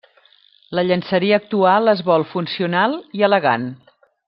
La llenceria actual es vol funcional i elegant.